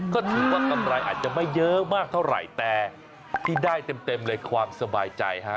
ก็ถือว่ากำไรอาจจะไม่เยอะมากเท่าไหร่แต่ที่ได้เต็มเลยความสบายใจฮะ